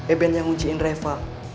eh ben yang ngujiin reva